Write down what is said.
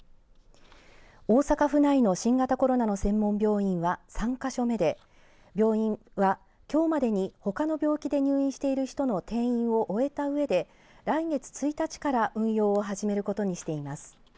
大阪府内の新型コロナの専門病院は３か所目で病院は、きょうまでにほかの病気で入院している人の転院を終えたうえで来月１日から運用を始めることにしています。